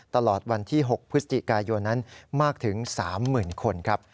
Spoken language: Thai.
ตลอดวันที่๖พฤศจิกายนนั้นมากถึง๓๐๐๐คนครับ